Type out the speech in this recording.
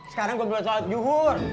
sekarang gue mau sholat yuhur